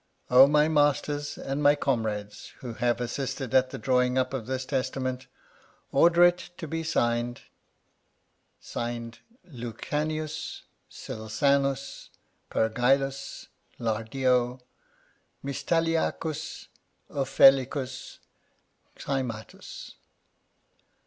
O my masters and my comrades, who have assisted 44 Strange Wills at the drawing up of this testament, order it to be signed. (Signed) Lucanicus. Celsanus. Pergillus. Lardio. Mystialicus. Offellicus. Cymatus.